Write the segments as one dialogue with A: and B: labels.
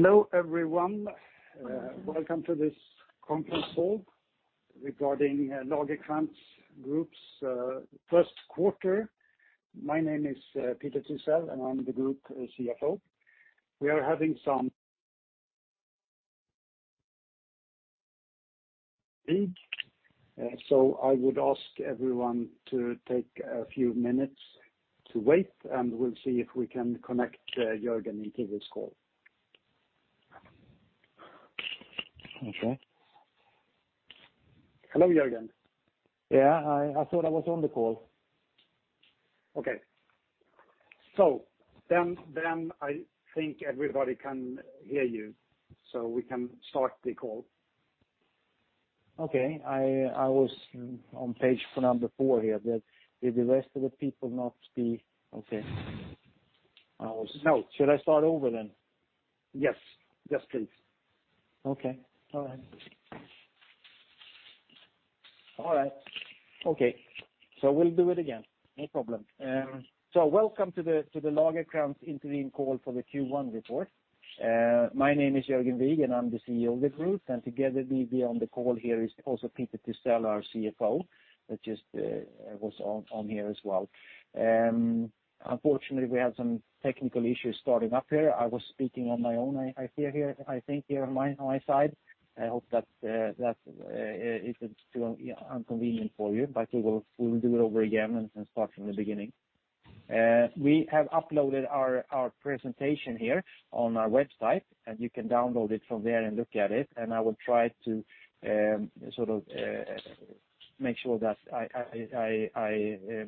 A: Hello everyone, welcome to this conference call regarding Lagercrantz Group's first quarter. My name is Peter Thysell, and I'm the group CFO. I would ask everyone to take a few minutes to wait, and we'll see if we can connect Jörgen into this call.
B: Okay.
A: Hello, Jörgen.
B: Yeah. I thought I was on the call.
A: Okay. I think everybody can hear you, so we can start the call.
B: Okay. I was on page number four here. Did the rest of the people not see? Okay.
A: No.
B: Should I start over then?
A: Yes. Yes, please.
B: Okay. All right. Okay. We'll do it again, no problem. Welcome to the Lagercrantz interim call for the Q1 report. My name is Jörgen Wigh, and I'm the CEO of the group. Together with me on the call here is also Peter Thysell, our CFO, that just was on here as well. Unfortunately, we had some technical issues starting up here. I was speaking on my own, I think, here on my side. I hope that it isn't too inconvenient for you. We will do it over again and start from the beginning. We have uploaded our presentation here on our website, and you can download it from there and look at it. I will try to, sort of, make sure that I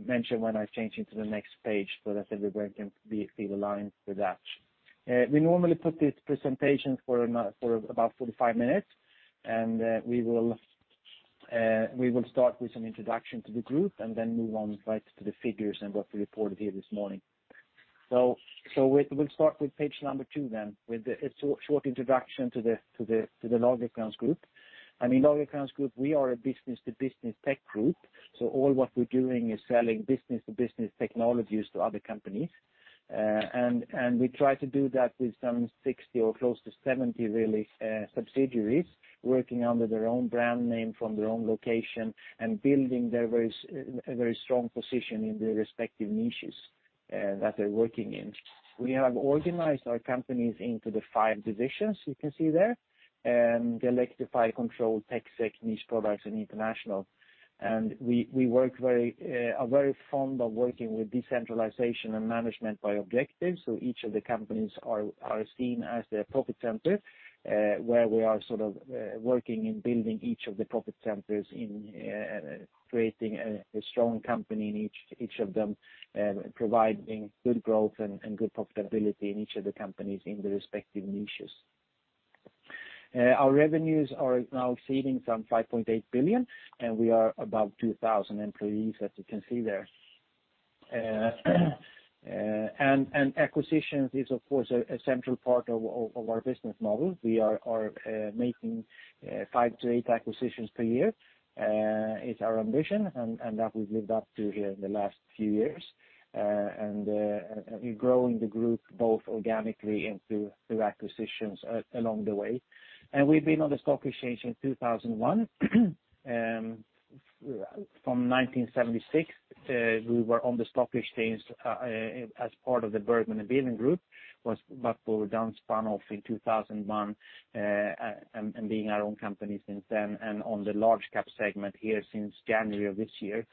B: mention when I change into the next page, so that everybody can be aligned with that. We normally put these presentations for about 45 minutes. We will start with some introduction to the group and then move on right to the figures and what we reported here this morning. We'll start with page number two then, with a short introduction to the Lagercrantz Group. I mean, Lagercrantz Group, we are a business to business tech group, so all what we're doing is selling business to business technologies to other companies. We try to do that with some 60 or close to 70 really subsidiaries working under their own brand name from their own location and building a very strong position in their respective niches that they're working in. We have organized our companies into the five divisions you can see there, Electrify, Control, TecSec, Niche Products, and International. We are very fond of working with decentralization and management by objectives. Each of the companies are seen as a profit center, where we are sort of working in building each of the profit centers in creating a strong company in each of them, providing good growth and good profitability in each of the companies in their respective niches. Our revenues are now exceeding some 5.8 billion, and we are about 2,000 employees, as you can see there. Acquisitions is of course a central part of our business model. We are making five to eight acquisitions per year. It's our ambition and that we've lived up to here in the last few years. Growing the group both organically and through acquisitions along the way. We've been on the stock exchange since 2001. From 1976, we were on the stock exchange as part of the Bergman & Beving Group, but we were then spun off in 2001. Being our own company since then, and on the large cap segment here since January of this year.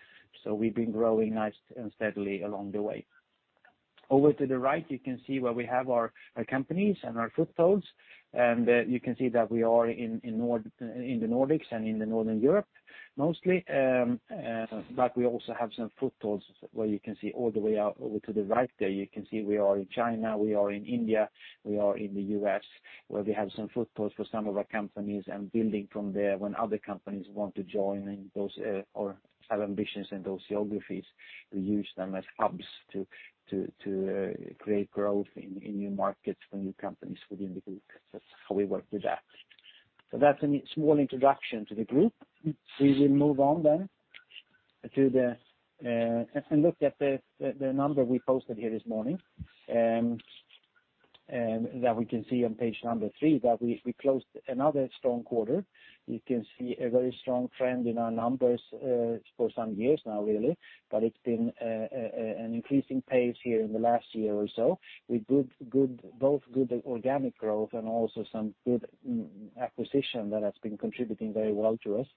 B: We've been growing nice and steadily along the way. Over to the right, you can see where we have our companies and our footholds, and you can see that we are in the Nordics and in Northern Europe mostly. We also have some footholds where you can see all the way out over to the right there, you can see we are in China, we are in India, we are in the U.S., where we have some footholds for some of our companies and building from there when other companies want to join in those or have ambitions in those geographies, we use them as hubs to create growth in new markets for new companies within the group. That's how we work with that. That's a small introduction to the group. We will move on then and look at the number we posted here this morning, and that we can see on page three, that we closed another strong quarter. You can see a very strong trend in our numbers for some years now really, but it's been an increasing pace here in the last year or so with good both good organic growth and also some good acquisition that has been contributing very well to us.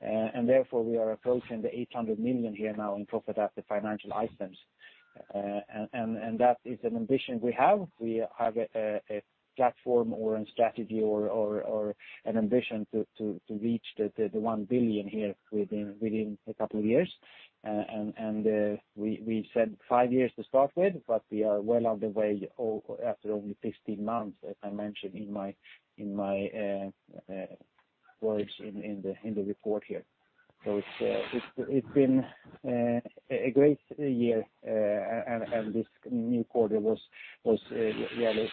B: Therefore we are approaching 800 million here now in profit after financial items. That is an ambition we have. We have a platform or a strategy or an ambition to reach the 1 billion here within a couple of years. We said five years to start with, but we are well on the way already after only 15 months, as I mentioned in my words in the report here. It's been a great year, and this new quarter was really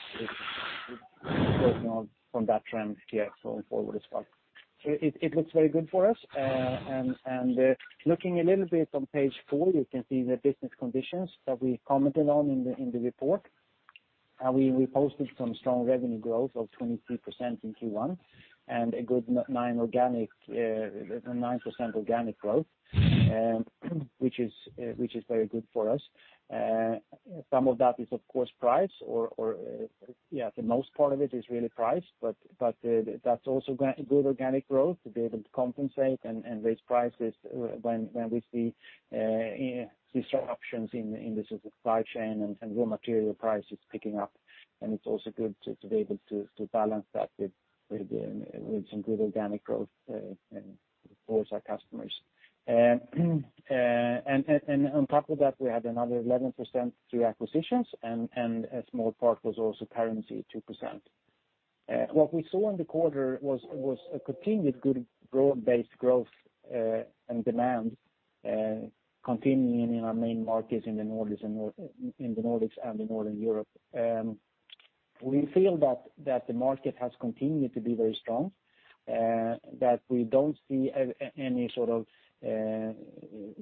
B: from that trend here going forward as well. It looks very good for us. Looking a little bit on page four, you can see the business conditions that we commented on in the report. We posted some strong revenue growth of 23% in Q1 and a good 9% organic growth, which is very good for us. Some of that is of course price, the most part of it is really price, but that's also good organic growth to be able to compensate and raise prices when we see disruptions in the supply chain and raw material prices picking up. It's also good to be able to balance that with some good organic growth and for our customers. On top of that, we had another 11% through acquisitions and a small part was also currency, 2%. What we saw in the quarter was a continued good broad-based growth and demand continuing in our main markets in the Nordics and in Northern Europe. We feel that the market has continued to be very strong, that we don't see any sort of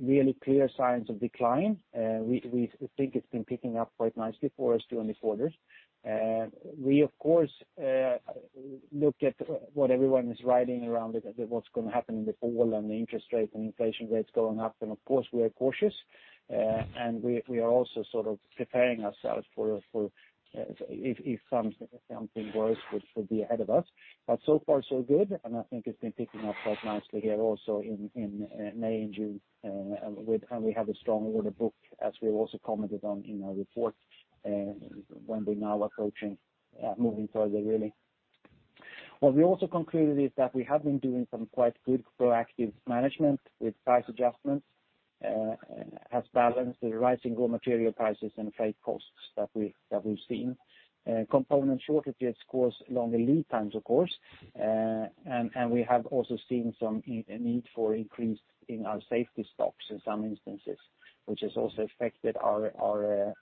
B: really clear signs of decline. We think it's been picking up quite nicely for us during these quarters. We, of course, look at what everyone is writing around it, what's gonna happen in the fall and the interest rates and inflation rates going up. Of course, we are cautious. We are also sort of preparing ourselves for if something worse would be ahead of us. So far so good, and I think it's been picking up quite nicely here also in May and June. We have a strong order book, as we also commented on in our report, when we're now approaching moving further really. What we also concluded is that we have been doing some quite good proactive management with price adjustments has balanced the rising raw material prices and freight costs that we've seen. Component shortages cause longer lead times, of course. We have also seen some increased need for increase in our safety stocks in some instances, which has also affected our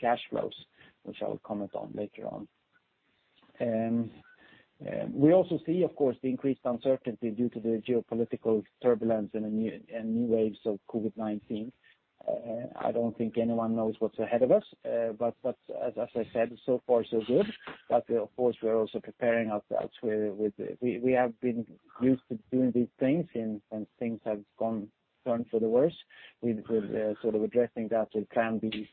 B: cash flows, which I'll comment on later on. We also see, of course, the increased uncertainty due to the geopolitical turbulence and new waves of COVID-19. I don't think anyone knows what's ahead of us. As I said, so far so good. Of course, we are also preparing ourselves with. We have been used to doing these things when things have gone for the worse. We're sort of addressing that with plan Bs,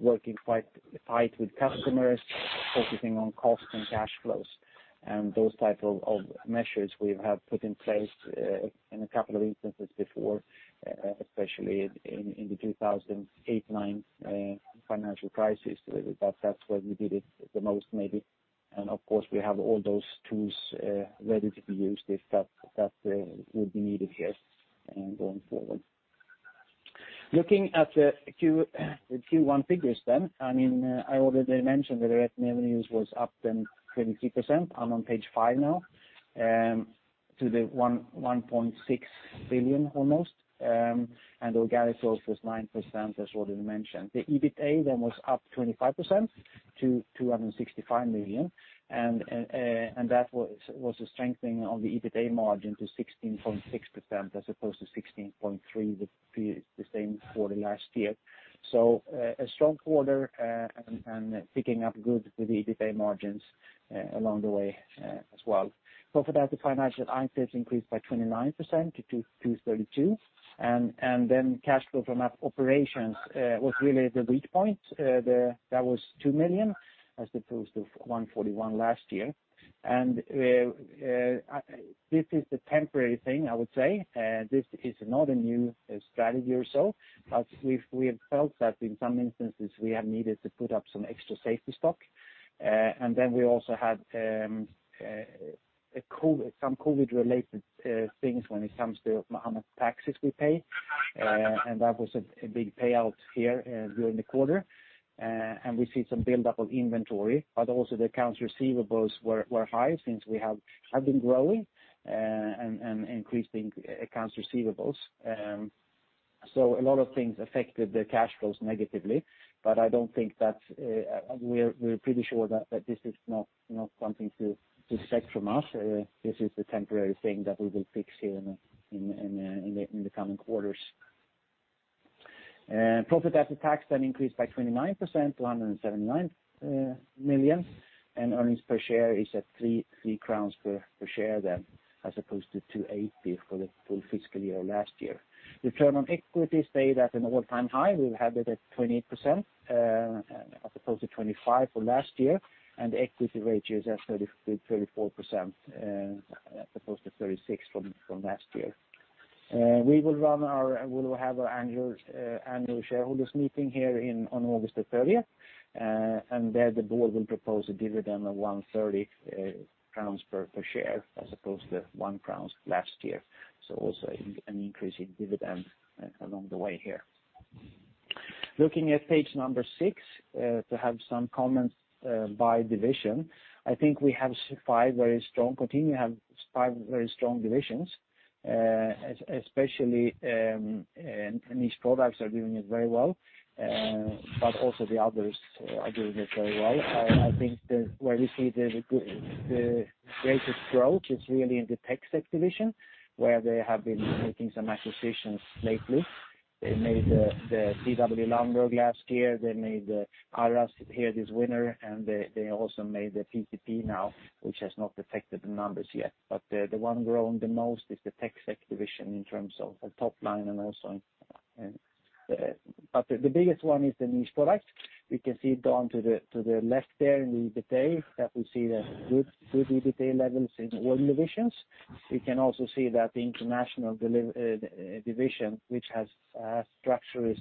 B: working quite tight with customers, focusing on cost and cash flows. Those type of measures we have put in place in a couple of instances before, especially in the 2008-2009 financial crisis. That's where we did it the most maybe. Of course, we have all those tools ready to be used if that will be needed here, going forward. Looking at the Q1 figures then, I already mentioned the net revenues was up then 23%. I'm on page five now. To the 1.6 billion almost. Organic growth was 9%, as already mentioned. The EBITA was up 25% to 265 million. That was a strengthening of the EBITA margin to 16.6% as opposed to 16.3% the same for the last year. A strong quarter, picking up good with the EBITA margins along the way as well. Profit after financial items increased by 29% to 232 million. Cash flow from operations was really the weak point. That was 2 million as opposed to 141 last year. This is a temporary thing, I would say. This is not a new strategy or so, but we have felt that in some instances we have needed to put up some extra safety stock. We also had some COVID-19 related things when it comes to how much taxes we pay. That was a big payout here during the quarter. We see some buildup of inventory, but also the accounts receivables were high since we have been growing and increasing accounts receivables. A lot of things affected the cash flows negatively, but I don't think that we're pretty sure that this is not something to expect from us. This is a temporary thing that we will fix here in the coming quarters. Profit after tax then increased by 29% to 179 million, and earnings per share is at 3.3 crowns per share then, as opposed to 2.80 for the full fiscal year last year. Return on equity stayed at an all-time high. We have it at 20%, as opposed to 25% for last year, and equity ratio is at 33%-34%, as opposed to 36% from last year. We will have our annual shareholders meeting here on August 30th. There the board will propose a dividend of 1.30 crowns per share, as opposed to 1 crown last year. Also an increase in dividend along the way here. Looking at page number six, to have some comments by division, I think we continue to have five very strong divisions. Especially, Niche Products are doing it very well. Also the others are doing it very well. I think where we see the greatest growth is really in the TecSec division, where they have been making some acquisitions lately. They made the CW Lundberg last year. They made the ARAS Security here this winter, and they also made the PcP Corporation now, which has not affected the numbers yet. The one growing the most is the TecSec division in terms of the top line and also in the. The biggest one is the Niche Products. We can see down to the left there in the EBITA that we see the good EBITA levels in all divisions. We can also see that the International division, which has structurally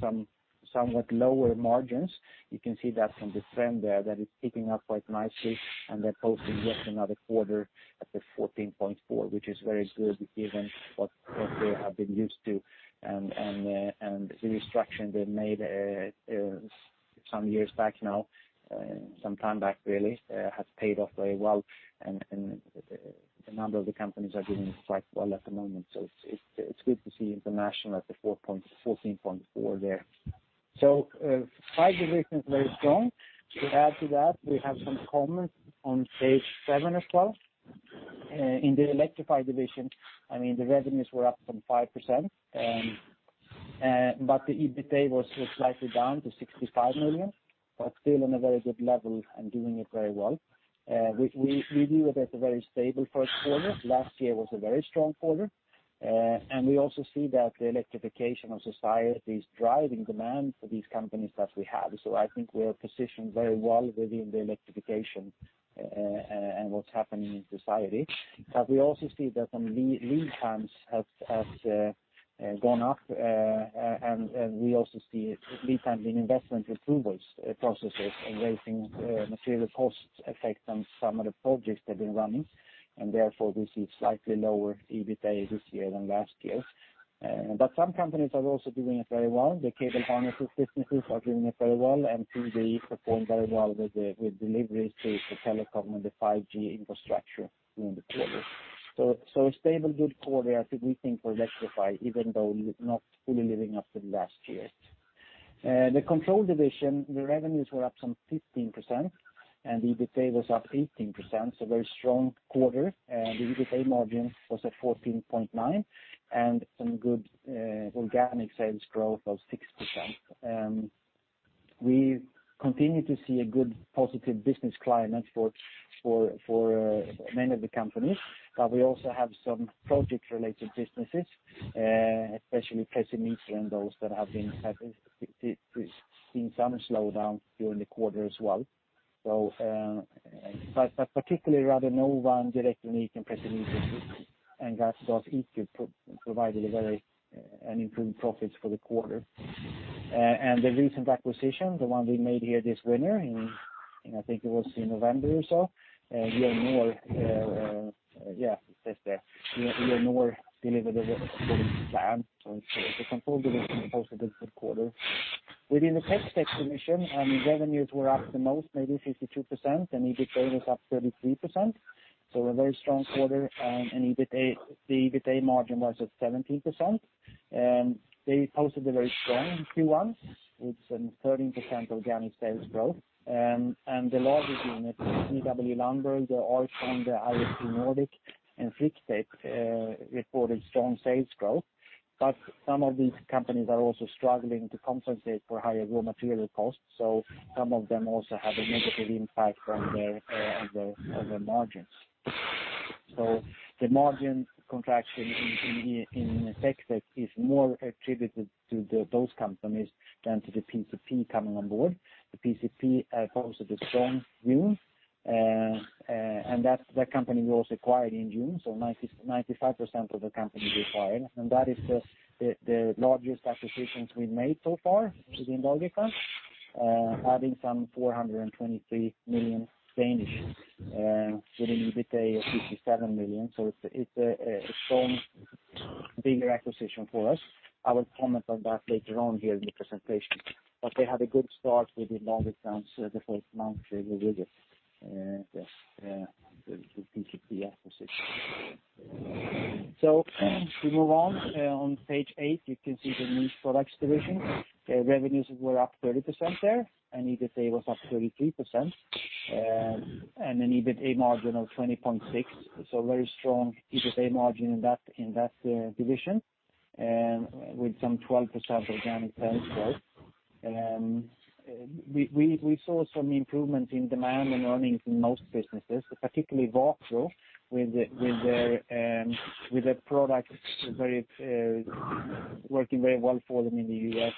B: somewhat lower margins. You can see that from the trend there that is picking up quite nicely, and they're posting yet another quarter at the 14.4%, which is very good given what they have been used to. The restructure they made some years back now, some time back really has paid off very well. The number of companies are doing quite well at the moment. It's good to see International at the 14.4% there. Five divisions very strong. To add to that, we have some comments on page seven as well. In the Electrify division, I mean, the revenues were up some 5%, but the EBITA was slightly down to 65 million, but still on a very good level and doing it very well. We view it as a very stable first quarter. Last year was a very strong quarter. We also see that the electrification of society is driving demand for these companies that we have. I think we're positioned very well within the electrification and what's happening in society. We also see that some lead times have gone up and we also see lead time in investment approvals processes and rising material costs effect on some of the projects they've been running. Therefore, we see slightly lower EBITA this year than last year. Some companies are also doing it very well. The cable harnesses businesses are doing it very well, and 3D performed very well with deliveries to the telecom and the 5G infrastructure during the quarter. A stable good quarter, I think, for Electrify, even though not fully living up to last year. The Control division, the revenues were up some 15%, and EBITA was up 18%, so a very strong quarter. The EBITA margin was at 14.9%, and some good organic sales growth of 6%. We continue to see a good positive business climate for many of the companies, but we also have some project-related businesses, especially Precimeter and those that have been seen some slowdown during the quarter as well. Particularly, Radonova and Direktronik and Precimeter and GasIQ provided a very, an improved profits for the quarter. The recent acquisition, the one we made here this winter in, I think it was in November or so, Elnova, yeah, it says there. Elnova delivered according to plan. It's a Control division positive good quarter. Within the TecSec division, revenues were up the most, maybe 52%, and EBITA was up 33%. A very strong quarter, and EBITA, the EBITA margin was at 17%. They posted a very strong Q1 with some 13% organic sales growth. The largest unit, CW Lundberg, Orcon, ISG Nordic, and Friatec, reported strong sales growth. Some of these companies are also struggling to compensate for higher raw material costs, so some of them also have a negative impact on their margins. The margin contraction in TecSec is more attributed to those companies than to the PcP coming on board. The PcP posted a strong June, and that company we also acquired in June, so 95% of the company we acquired. That is the largest acquisitions we've made so far within Bolgatanga, adding some 423 million with an EBITA of 57 million. It's a strong bigger acquisition for us. I will comment on that later on here in the presentation. They had a good start within Bolga accounts the first month they were with us. The PCP acquisition. We move on. On page eight, you can see the Niche Products division. Revenues were up 30% there, and EBITA was up 33%, and an EBITA margin of 20.6%. Very strong EBITA margin in that division, with some 12% organic sales growth. We saw some improvement in demand and earnings in most businesses, particularly PcP with a product working very well for them in the U.S.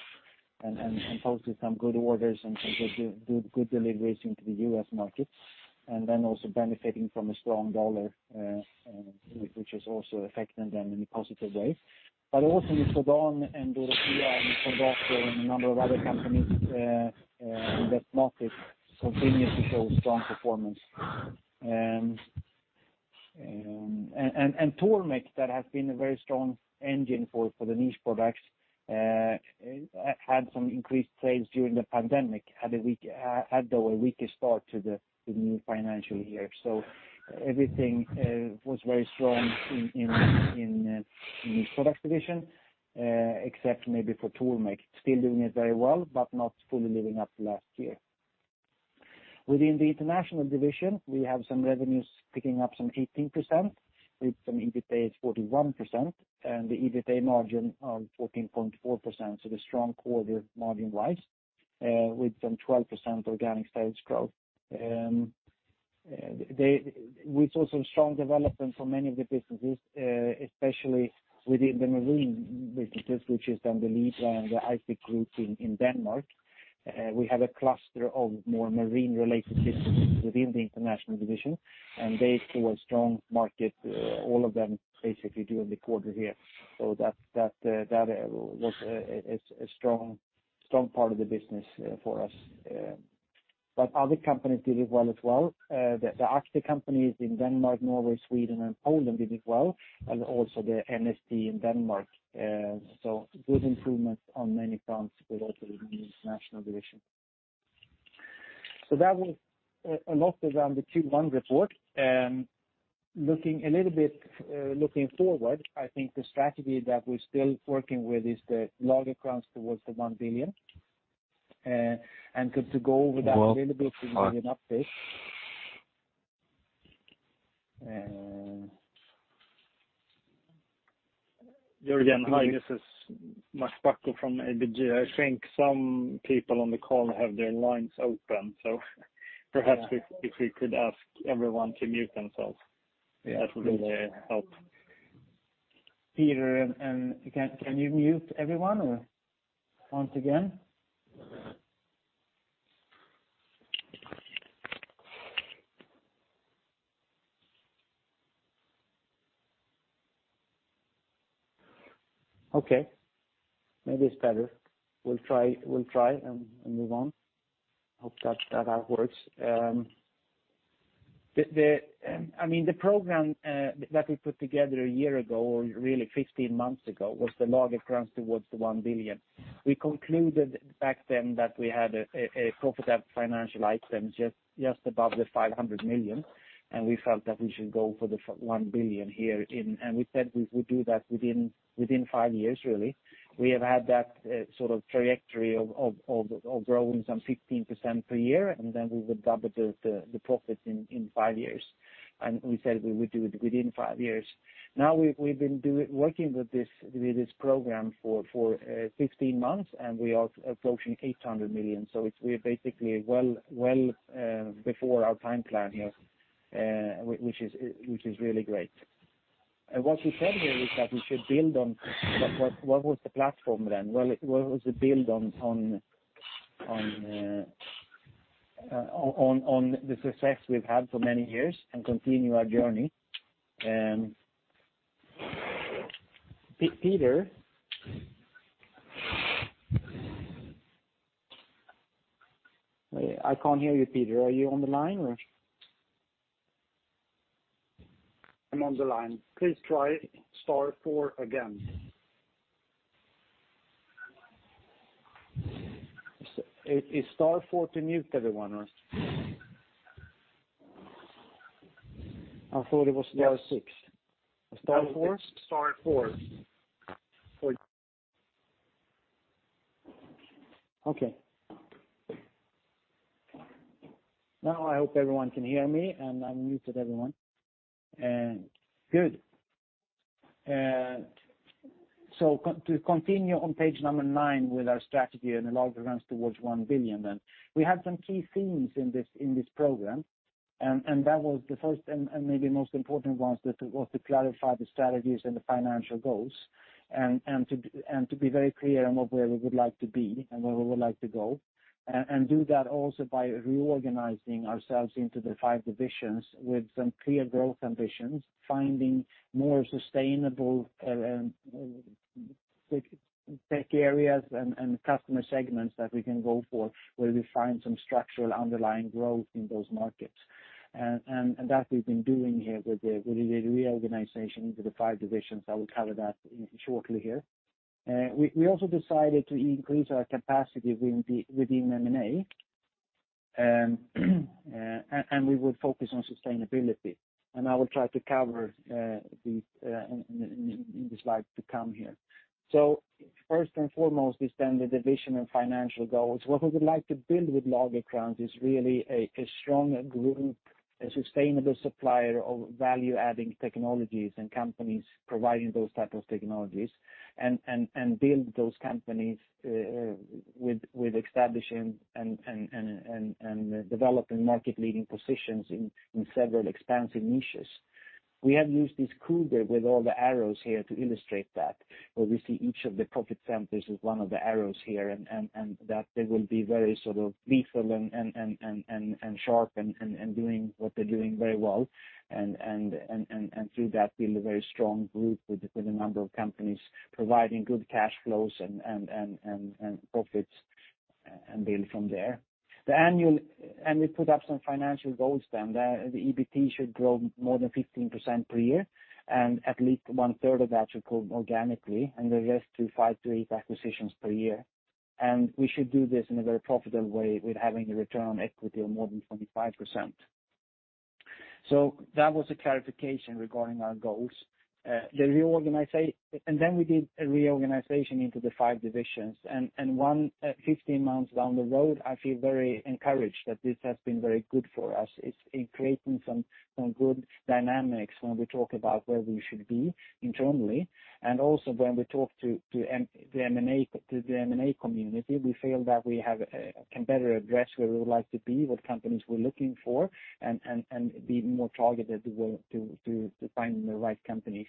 B: and posted some good orders and good deliveries into the U.S. market, and then also benefiting from a strong dollar, which is also affecting them in a positive way. Isodrän and Dorotea and Kondator and a number of other companies in that market continue to show strong performance. Tormek, that has been a very strong engine for the Niche Products, had some increased sales during the pandemic, though a weaker start to the new financial year. Everything was very strong in the Niche Products division, except maybe for Tormek. Still doing it very well, but not fully living up to last year. Within the International division, we have some revenues picking up 18% with some EBITA at 41% and the EBITA margin of 14.4%. A strong quarter margin-wise, with some 12% organic sales growth. We saw some strong development for many of the businesses, especially within the marine businesses, which is then the lead around the IC Group in Denmark. We have a cluster of more marine-related businesses within the International division, and they saw a strong market, all of them basically during the quarter here. That was a strong part of the business for us. Other companies did it well as well. The Arctic companies in Denmark, Norway, Sweden and Poland did it well, and also the MSP in Denmark. Good improvement on many fronts with also the International division. That was a lot around the Q1 report. Looking forward, I think the strategy that we're still working with is the Lagercrantz towards the 1 billion. To go over that a little bit to give you an update.
C: Jörgen, hi, this is Mark Buckle from ABG. I think some people on the call have their lines open, so perhaps if we could ask everyone to mute themselves, that would really help.
B: Peter, can you mute everyone once again? Okay. Maybe it's better. We'll try and move on. Hope that works. I mean, the program that we put together a year ago, or really 15 months ago, was the Lagercrantz towards the 1 billion. We concluded back then that we had a profit after financial items just above 500 million, and we felt that we should go for the one billion here in. We said we would do that within five years really. We have had that sort of trajectory of growing some 15% per year, and then we would double the profits in five years. We said we would do it within five years. Now we've been working with this program for 15 months, and we are approaching 800 million. We're basically well before our time plan here, which is really great. What we said here is that we should build on what was the platform then? Well, what was built on the success we've had for many years and continue our journey. Peter? I can't hear you, Peter. Are you on the line or?
A: I'm on the line. Please try star four again.
B: It's star four to mute everyone, or? I thought it was star six. Star four?
A: Star four.
B: Okay. Now I hope everyone can hear me, and I muted everyone. To continue on page number nine with our strategy and the Lagercrantz towards 1 billion then. We have some key themes in this program, and that was the first and maybe most important ones that was to clarify the strategies and the financial goals and to be very clear on where we would like to be and where we would like to go. Do that also by reorganizing ourselves into the five divisions with some clear growth ambitions, finding more sustainable tech areas and customer segments that we can go for, where we find some structural underlying growth in those markets. That we've been doing here with the reorganization into the five divisions. I will cover that shortly here. We also decided to increase our capacity within M&A, and we will focus on sustainability. I will try to cover them in the slides to come here. First and foremost is then the division and financial goals. What we would like to build with Lagercrantz is really a strong group, a sustainable supplier of value-adding technologies and companies providing those type of technologies and build those companies, with establishing and developing market-leading positions in several expansive niches. We have used this core with all the arrows here to illustrate that, where we see each of the profit centers as one of the arrows here, and that they will be very sort of lethal and sharp and doing what they're doing very well and through that build a very strong group with a number of companies providing good cash flows and profits and build from there. We put up some financial goals then. The EBT should grow more than 15% per year, and at least one-third of that should grow organically and the rest through five to eight acquisitions per year. We should do this in a very profitable way with having a return on equity of more than 25%. That was a clarification regarding our goals. We did a reorganization into the five divisions. 15 months down the road, I feel very encouraged that this has been very good for us. It's in creating some good dynamics when we talk about where we should be internally. When we talk to the M&A community, we feel that we can better address where we would like to be, what companies we're looking for, and be more targeted to finding the right companies.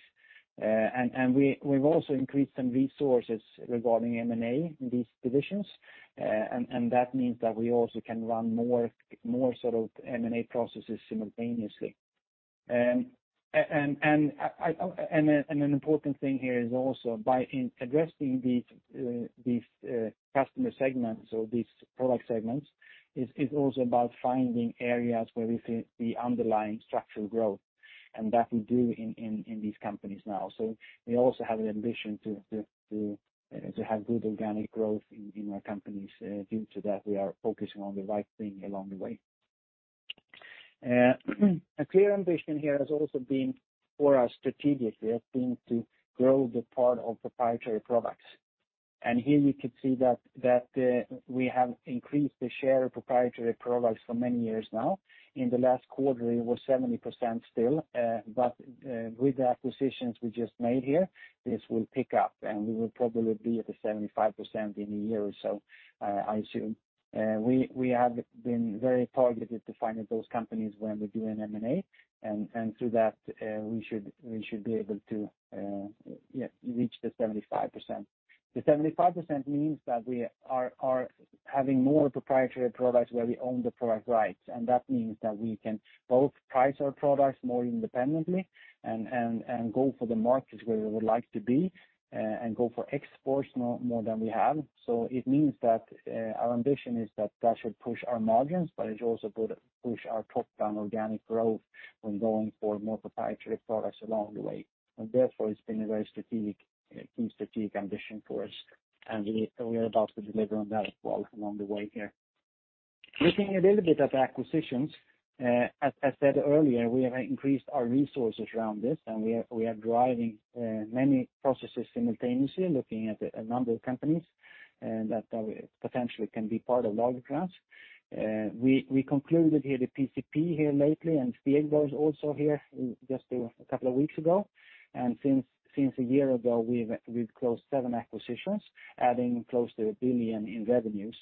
B: We've also increased some resources regarding M&A in these divisions. That means that we also can run more sort of M&A processes simultaneously. An important thing here is also in addressing these customer segments or these product segments about finding areas where we see the underlying structural growth, and that we do in these companies now. We also have an ambition to have good organic growth in our companies. Due to that, we are focusing on the right thing along the way. A clear ambition here has also been for us strategically to grow the part of proprietary products. Here you can see that we have increased the share of proprietary products for many years now. In the last quarter, it was 70% still. With the acquisitions we just made here, this will pick up, and we will probably be at the 75% in a year or so, I assume. We have been very targeted to finding those companies when we do an M&A. Through that, we should be able to, yeah, reach the 75%. The 75% means that we are having more proprietary products where we own the product rights. That means that we can both price our products more independently and go for the markets where we would like to be, and go for exports more than we have. It means that our ambition is that that should push our margins, but it should also go to push our topline organic growth when going for more proprietary products along the way. Therefore, it's been a very strategic, key strategic ambition for us. We are about to deliver on that as well along the way here. Looking a little bit at acquisitions, as said earlier, we have increased our resources around this, and we are driving many processes simultaneously, looking at a number of companies that potentially can be part of Lagercrantz. We concluded the PcP here lately, and Fiegro is also here just a couple of weeks ago. Since a year ago, we've closed seven acquisitions, adding close to 1 billion in revenues,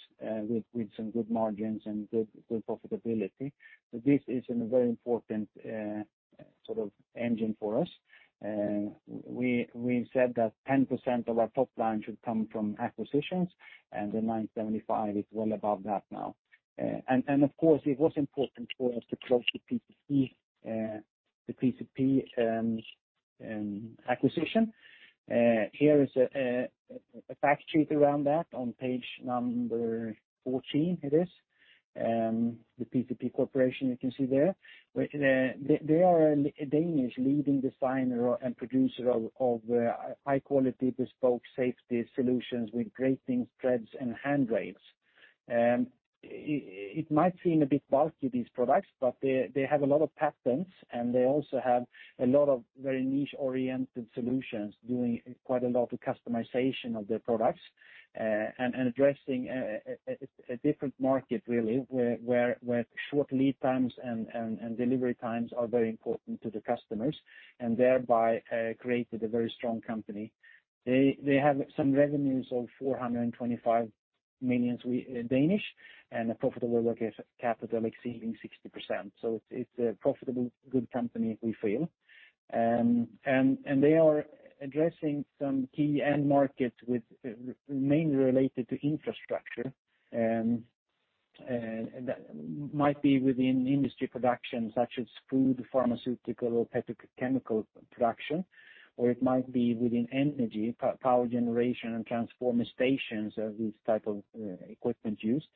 B: with some good margins and good profitability. This is a very important sort of engine for us. We said that 10% of our top line should come from acquisitions, and the 975 is well above that now. Of course, it was important for us to close the PcP acquisition. Here is a fact sheet around that on page 14. The PcP Corporation, you can see there. They are a Danish leading designer and producer of high-quality bespoke safety solutions with grating, treads, and handrails. It might seem a bit bulky, these products, but they have a lot of patents, and they also have a lot of very niche-oriented solutions doing quite a lot of customization of their products, and addressing a different market really where short lead times and delivery times are very important to the customers, and thereby created a very strong company. They have some revenues of 425 million and a profitable working capital exceeding 60%. It's a profitable good company we feel. They are addressing some key end markets with mainly related to infrastructure that might be within industry production, such as food, pharmaceutical, or petrochemical production, or it might be within energy, power generation and transformer stations of this type of equipment used,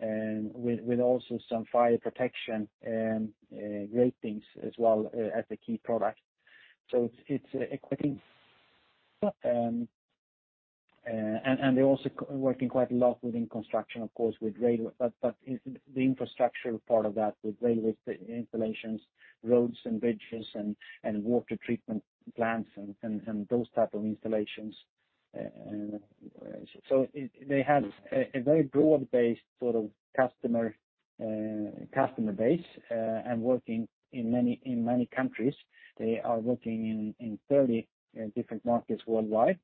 B: and with also some fire protection gratings as well as a key product. They're also working quite a lot within construction, of course, but in the infrastructure part of that, with railway installations, roads and bridges and water treatment plants and those type of installations. They have a very broad-based sort of customer base and working in many countries. They are working in 30 different markets worldwide,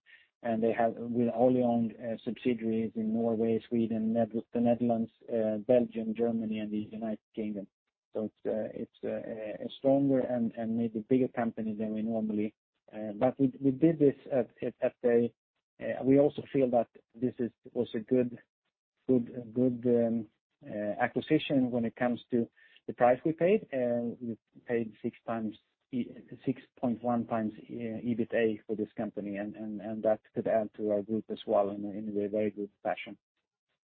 B: and they have wholly owned subsidiaries in Norway, Sweden, the Netherlands, Belgium, Germany, and the United Kingdom. It's a stronger and maybe bigger company than we normally. We also feel that this is also a good acquisition when it comes to the price we paid. We paid 6.1x EBITA for this company, and that could add to our group as well in a very good fashion.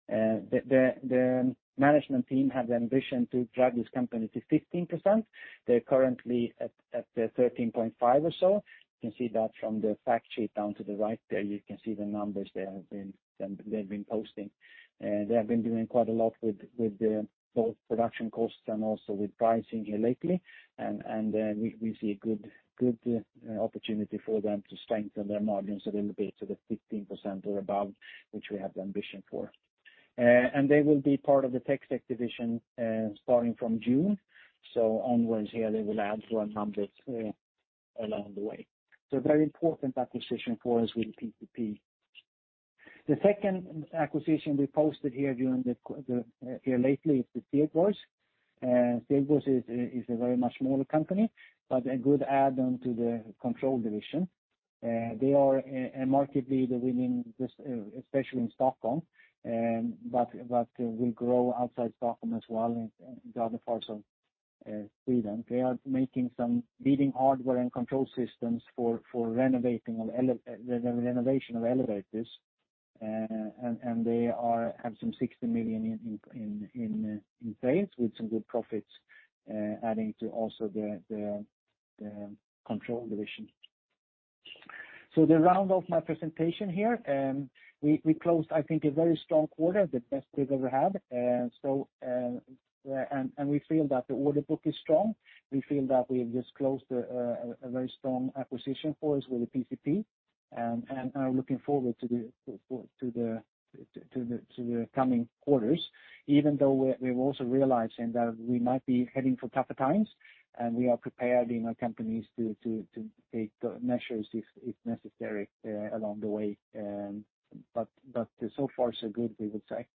B: The management team have the ambition to drive this company to 15%. They're currently at the 13.5% or so. You can see that from the fact sheet down to the right there, you can see the numbers they've been posting. They have been doing quite a lot with both production costs and also with pricing here lately. We see a good opportunity for them to strengthen their margins a little bit to the 15% or above which we have the ambition for. They will be part of the TecSec division starting from June onwards here they will add to our numbers along the way. Very important acquisition for us with PCP. The second acquisition we posted here during the here lately is the Stegborgs. Stegborgs is a very much smaller company, but a good add-on to the Control division. They are a market leader within this, especially in Stockholm, but will grow outside Stockholm as well in the other parts of Sweden. They are making some leading hardware and control systems for the renovation of elevators. And they have some 60 million in sales with some good profits, adding to also the Control division. To round off my presentation here, we closed, I think, a very strong quarter, the best we've ever had. We feel that the order book is strong. We feel that we have just closed a very strong acquisition for us with the PcP, and are looking forward to the coming quarters, even though we're also realizing that we might be heading for tougher times, and we are prepared in our companies to take measures if necessary along the way. So far so good, we would say.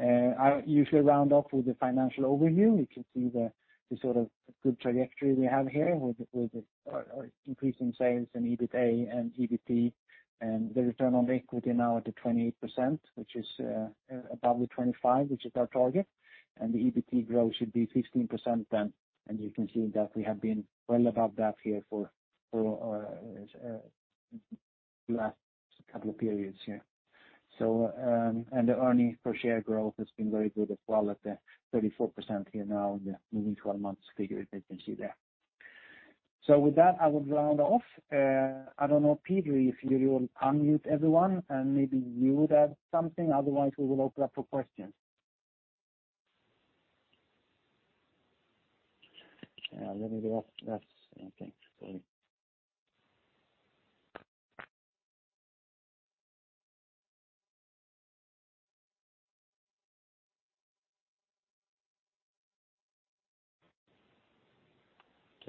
B: I usually round off with the financial overview. You can see the sort of good trajectory we have here with the increase in sales and EBITA and EBT and the return on equity now at the 28%, which is above the 25%, which is our target. The EBT growth should be 16% then. You can see that we have been well above that here for the last couple of periods here. The earnings per share growth has been very good as well at the 34% here now in the moving 12 months figure that you can see there. With that, I will round off. I don't know, Peter, if you will unmute everyone and maybe you would add something. Otherwise, we will open up for questions. Yeah, maybe that's. Okay,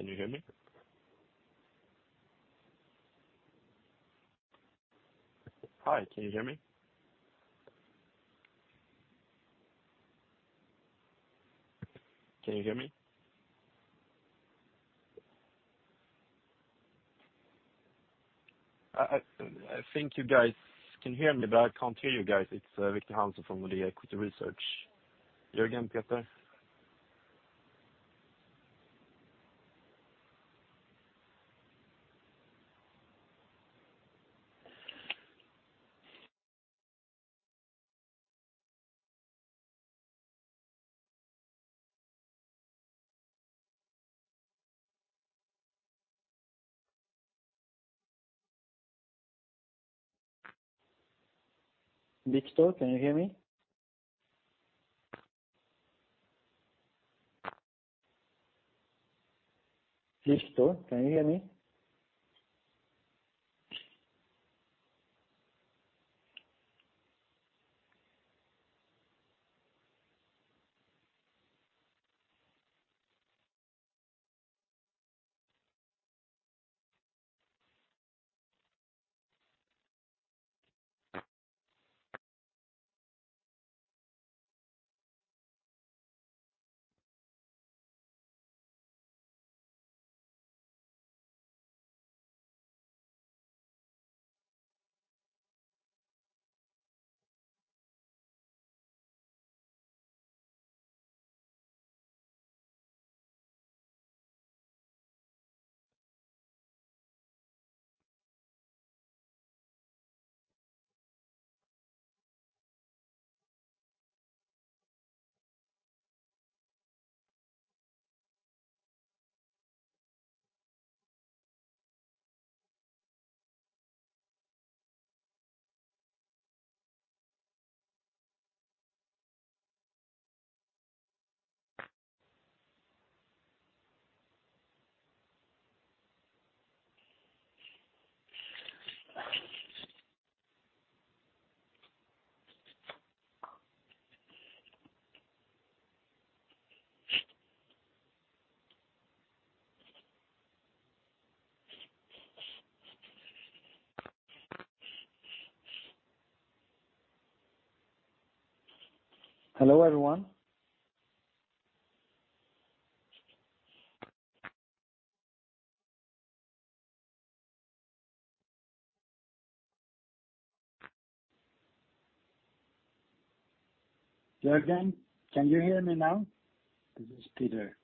B: sorry.
D: Can you hear me? Hi, can you hear me? Can you hear me? I think you guys can hear me, but I can't hear you guys. It's Victor Hansen from Equity Research. You again, Peter?
A: Victor, can you hear me? Victor, can you hear me? Hello, everyone. Jörgen, can you hear me now? This is Peter.